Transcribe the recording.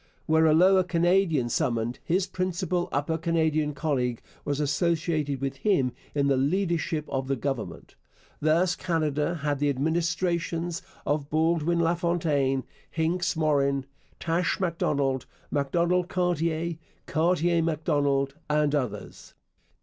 Were a Lower Canadian summoned, his principal Upper Canadian colleague was associated with him in the leadership of the Government. Thus Canada had the administrations of Baldwin LaFontaine, Hincks Morin, Taché Macdonald, Macdonald Cartier, Cartier Macdonald, and others.